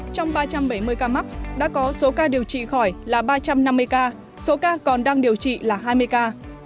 trong ba trăm bảy mươi ca mắc đã có số ca điều trị khỏi là ba trăm năm mươi ca số ca còn đang điều trị là hai mươi ca